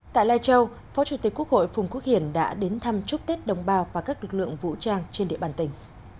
tại lai châu phó chủ tịch quốc hội phùng quốc hiển đã đến thăm chúc tết đồng bào và các lực lượng vũ trang trên địa bàn tỉnh